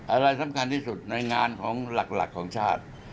อะไรสำคัญที่สุดในงานของหลักของชาติ